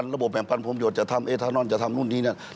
ระบบแบ่งปันพลมโยชน์จะทำเอธานอนจะทำนู่นนี้ทำไม่หมดแล้ว